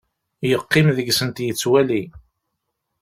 Yeqqim deg-sent yettwali.